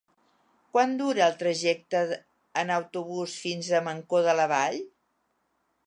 Quant dura el trajecte en autobús fins a Mancor de la Vall?